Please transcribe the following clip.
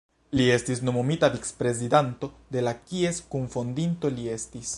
Li estis nomumita vic-prezidanto de la kies kunfondinto li estis.